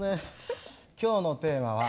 今日のテーマは。